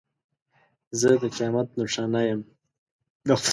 زه د قیامت نښانه یم.